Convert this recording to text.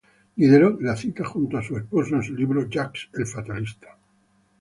Diderot la cita junto a su esposo en su libro "Jacques el fatalista".